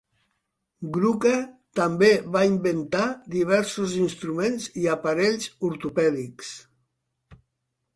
Gruca també va inventar diversos instruments i aparells ortopèdics.